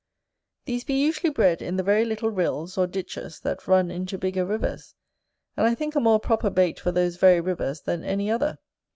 These be usually bred in the very little rills, or ditches, that run into bigger rivers; and I think a more proper bait for those very rivers than any other.